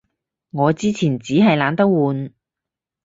我之前衹係懶得換